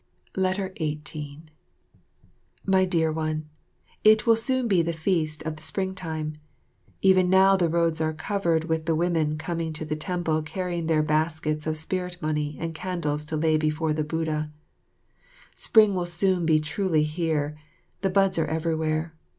18 My Dear One, It will soon be the Feast of the Springtime. Even now the roads are covered with the women coming to the temple carrying their baskets of spirit money and candles to lay before the Buddha. Spring will soon be truly here; the buds are everywhere.